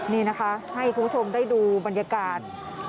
นี่นะคะให้คุณผู้ชมได้ดูบรรยากาศ